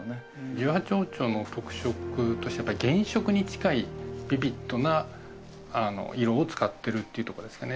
１８王朝の特色としてやっぱり原色に近いビビッドな色を使ってるっていうとこですかね